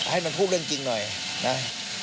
ให้มันพูดเรื่องจริงหน่อยนะ